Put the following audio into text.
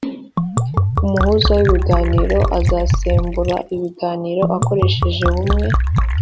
umuhuza w ibiganiro azasembura ibiganiro akoresheje bumwe